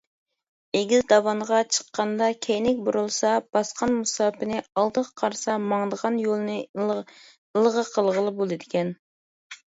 ئېگىز داۋانغا چىققاندا كەينىگە بۇرۇلسا، باسقان مۇساپىنى، ئالدىغا قارىسا، ماڭىدىغان يولنى ئىلغا قىلغىلى بولىدىكەن.